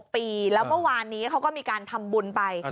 ๑๖ปีแล้ววันนี้เขาก็มีการทำบุญไป